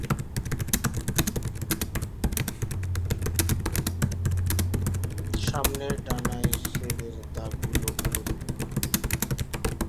সামনের ডানায় সেল-এর দাগগুলি অনুরূপ।